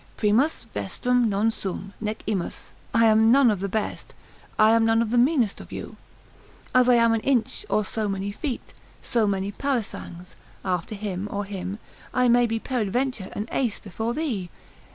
Primus vestrum non sum, nec imus, I am none of the best, I am none of the meanest of you. As I am an inch, or so many feet, so many parasangs, after him or him, I may be peradventure an ace before thee.